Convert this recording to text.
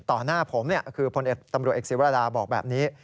ต่อหน้าผมคือพนธุ์ตำรวจเอกศิวราบอกแบบนี้